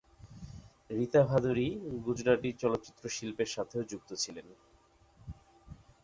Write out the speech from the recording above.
রীতা ভাদুড়ী গুজরাটি চলচ্চিত্র শিল্পের সাথেও যুক্ত ছিলেন।